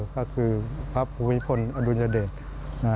ก็คือพระปุวิฯพลอดูรณเดชน์